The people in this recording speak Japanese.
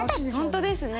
本当ですね。